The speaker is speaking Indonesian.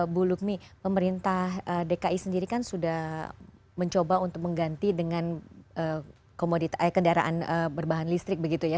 bu lukmi pemerintah dki sendiri kan sudah mencoba untuk mengganti dengan kendaraan berbahan listrik begitu ya